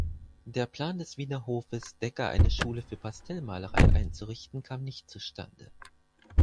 Der Plan des Wiener Hofes, Decker eine Schule für Pastellmalerei einzurichten, kam nicht zustande.